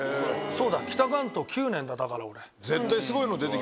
そうだ北関東９年だだから俺。